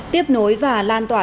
tiếp nối và lan tỏa